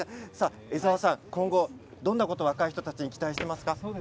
江澤さんどんなことを若い人たちに期待していますか。